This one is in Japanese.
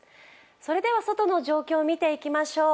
それでは外の状況を見ていきましょう。